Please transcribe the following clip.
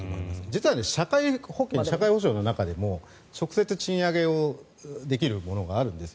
実は社会保険、社会保障の中でも直接、賃上げをできるものがあるんです。